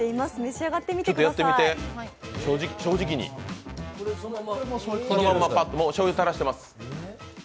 ちょっとやってみて、正直にそのまんまパッと、もうしょうゆ垂らしてます。